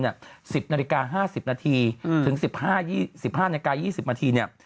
๑๐นาฬิกา๕๐นาทีถึง๑๕นาฬิกา๒๐นาที